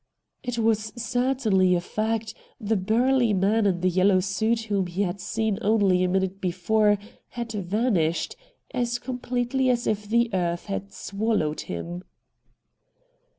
It was certainly a fact, the burly man in the yellow suit whom WHAT HAPPENED IN ST. JAMES'S ST. 103 he had seen only a minute before had vanished, as completely as if the earth had swallowed him.